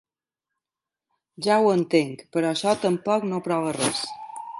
Ja ho entenc, però això tampoc no prova res.